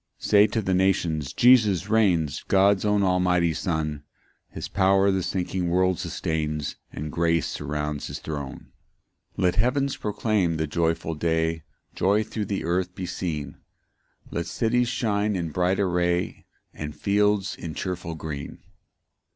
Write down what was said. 2 Say to the nations, Jesus reigns, God's own almighty Son; His power the sinking world sustains, And grace surrounds his throne. 3 Let heaven proclaim the joyful day, Joy thro' the earth be seen; Let cities shine in bright array, And fields in cheerful green.